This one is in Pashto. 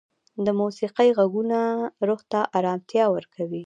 د موسیقۍ ږغونه روح ته ارامتیا ورکوي.